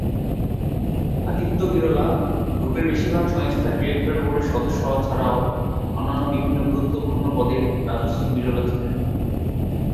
আদিত্য বিড়লা গ্রুপের বেশিরভাগ সংস্থার ডিরেক্টর বোর্ডের সদস্য হওয়া ছাড়াও অন্যান্য বিভিন্ন গুরুত্বপূর্ণ পদে রাজশ্রী বিড়লা ছিলেন।